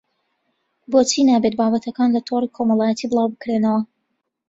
بۆچی نابێت بابەتەکان لە تۆڕی کۆمەڵایەتی بڵاوبکرێنەوە